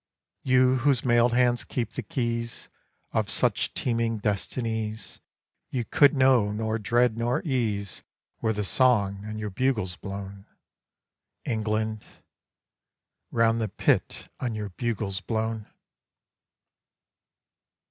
You whose mailed hand keeps the keys Of such teeming destinies, You could know nor dread nor ease Were the Song on your bugles blown, England Round the Pit on your bugles blown!